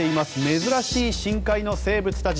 珍しい深海の生物たち。